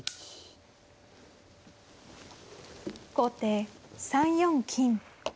後手３四金。